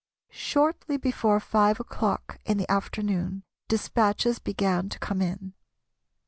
Shortly before 5 o'clock in the afternoon despatches began to come in.